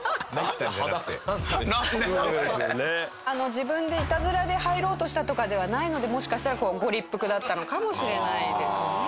自分でイタズラで入ろうとしたとかではないのでもしかしたらご立腹だったのかもしれないですね。